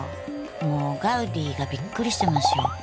もうガウディがびっくりしてますよ。